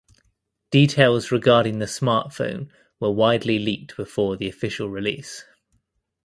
Details regarding the smartphone were widely leaked before the official release.